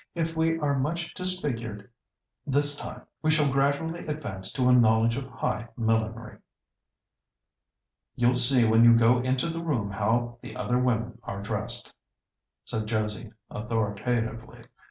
If we are much disfigured this time, we shall gradually advance to a knowledge of high millinery." "You'll see when you go into the room how the other women are dressed," said Josie authoritatively.